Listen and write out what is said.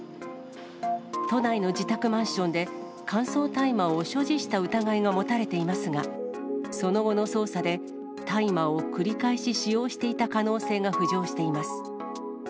都内の自宅マンションで、乾燥大麻を所持した疑いが持たれていますが、その後の捜査で、大麻を繰り返し使用していた可能性が浮上しています。